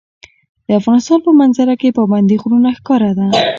د افغانستان په منظره کې پابندی غرونه ښکاره ده.